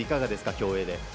競泳で。